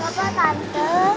gak apa tante